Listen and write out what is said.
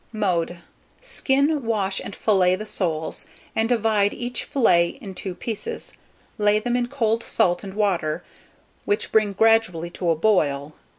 Mode. Skin, wash, and fillet the soles, and divide each fillet in 2 pieces; lay them in cold salt and water, which bring gradually to a boil.